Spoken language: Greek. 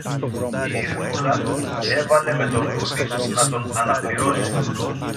Η Ειρηνούλα έβαλε με το νου της να τον αναπληρώσει.